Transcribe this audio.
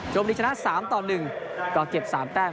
ชมบุรีชนะ๓๑ก็เก็บ๓แต้ม